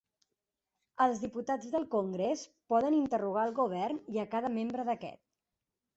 Els diputats del Congrés poden interrogar al Govern i a cada membre d'aquest.